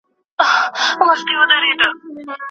سود خوړل د غریبانو د وینې څښل دي.